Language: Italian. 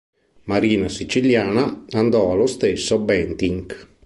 Marina siciliana", andò allo stesso Bentinck.